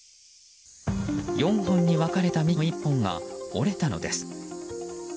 ４本に分かれた幹の１本が折れたのです。